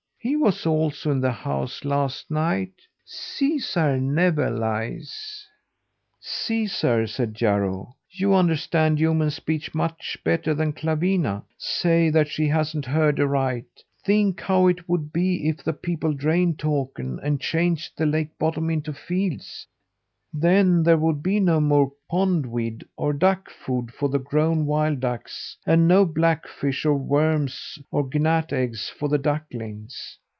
He was also in the house last night. Caesar never lies." "Caesar," said Jarro, "you understand human speech much better than Clawina. Say that she hasn't heard aright! Think how it would be if the people drained Takern, and changed the lake bottom into fields! Then there would be no more pondweed or duck food for the grown wild ducks, and no blackfish or worms or gnat eggs for the ducklings.